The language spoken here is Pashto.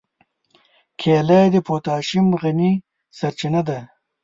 کېله د پوتاشیم غني سرچینه ده.